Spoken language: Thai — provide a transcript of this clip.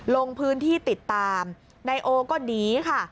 ลงพื้นที่ติดตามนายโอก็หนีค่ะ